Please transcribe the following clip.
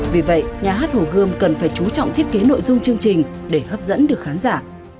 vì vậy nhà hát hồ gươm cần phải chú trọng thiết kế nội dung chương trình để hấp dẫn được khán giả